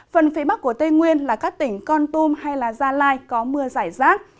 phần phía bắc của tây nguyên là các tỉnh con tôm hay gia lai có mưa rải rác